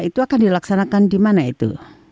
itu akan dilaksanakan di mana itu